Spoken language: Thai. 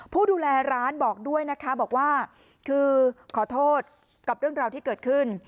ผู้ดูแลร้านบอกด้วยนะคะบอกว่าคือขอโทษกับเรื่องราวที่เกิดขึ้น